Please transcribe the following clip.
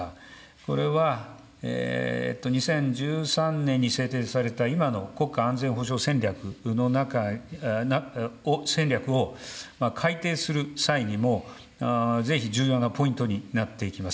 これは２０１３年に制定された今の国家安全保障戦略を改定する際にも、ぜひ重要なポイントになっていきます。